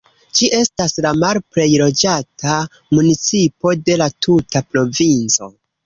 Ĝi estas la malplej loĝata municipo de la tuta provinco.